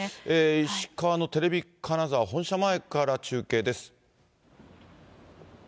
石川のテレビ金沢本社前から中継です。